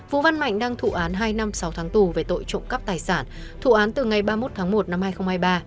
vũ văn mạnh đang thụ án hai năm sáu tháng tù về tội trộm cắp tài sản thủ án từ ngày ba mươi một tháng một năm hai nghìn hai mươi ba